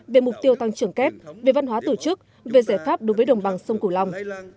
về mục tiêu tăng trưởng kép về văn hóa tổ chức về giải pháp đối với đồng bằng sông cửu long